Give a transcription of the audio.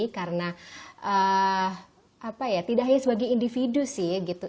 karena tidak hanya sebagai individu sih gitu